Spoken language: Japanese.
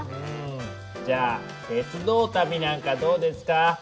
じゃあ鉄道旅なんかどうですか？